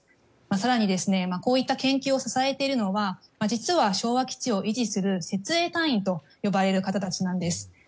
更に、こういった研究を支えているのは実は、昭和基地を維持する設営隊員と呼ばれる方たちなんです。